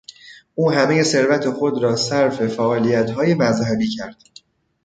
او همهی ثروت خود را صرف فعالیتهای مذهبی کرد.